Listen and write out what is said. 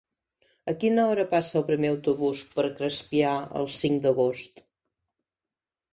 A quina hora passa el primer autobús per Crespià el cinc d'agost?